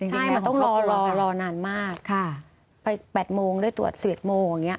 ใช่มันต้องรอนานมากไป๘โมงด้วยตรวจ๑๑โมง